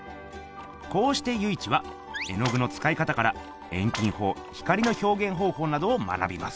こうして由一は絵の具の使い方から遠近法光の表現方法などを学びます。